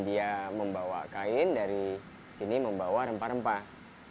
dia membawa kain dari sini membawa rempah rempah